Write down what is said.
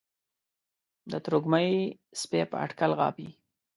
د تروږمۍ سپي په اټکل غاپي